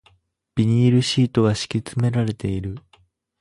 ビニールシートが敷き詰められている